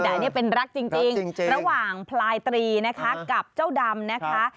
แต่อันนี้เป็นรักจริงระหว่างพลายตรีนะคะกับเจ้าดำนะคะ